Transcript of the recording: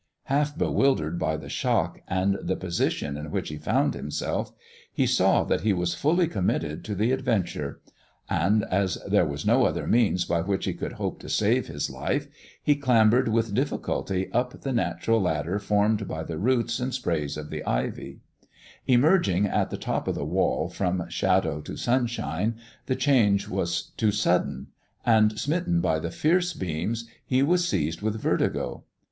Half bewildered by the shock, and the position in which he found himself, he saw that he was fully com mitted to the adventure ; and, as there was no other means by which he could hope to save his life, he clambered with difficulty up the natural ladder formed by the roots and sprays of the ivy, Emerging at the top of the wall from shadow to sunshine, the change was too sudden ; and smitten by the fierce beams, he was seized with vertigo.